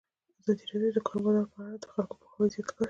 ازادي راډیو د د کار بازار په اړه د خلکو پوهاوی زیات کړی.